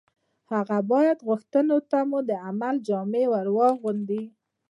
هغه باید غوښتنو ته مو د عمل جامه ور واغوندي